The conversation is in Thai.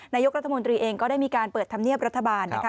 นายกรัฐมนตรีเองก็ได้มีการเปิดธรรมเนียบรัฐบาลนะคะ